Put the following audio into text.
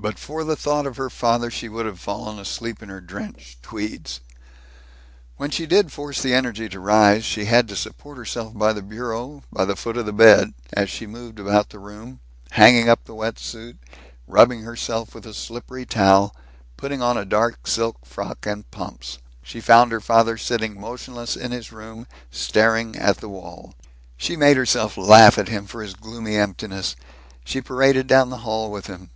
But for the thought of her father she would have fallen asleep, in her drenched tweeds. When she did force the energy to rise, she had to support herself by the bureau, by the foot of the bed, as she moved about the room, hanging up the wet suit, rubbing herself with a slippery towel, putting on a dark silk frock and pumps. She found her father sitting motionless in his room, staring at the wall. She made herself laugh at him for his gloomy emptiness. She paraded down the hall with him.